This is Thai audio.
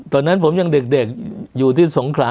ตอนนั้นผมยังเด็กอยู่ที่สงขลา